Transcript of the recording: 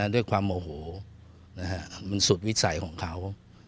ด้วยความโมโหมันสุดวิสัยของเขา